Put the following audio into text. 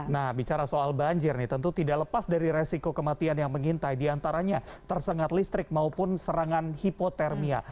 nah bicara soal banjir nih tentu tidak lepas dari resiko kematian yang mengintai diantaranya tersengat listrik maupun serangan hipotermia